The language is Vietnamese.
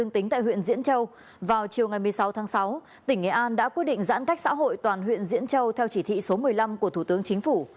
tỉnh nghệ an đã quyết định giãn cách xã hội toàn huyện diễn châu theo chỉ thị số một mươi năm của thủ tướng chính phủ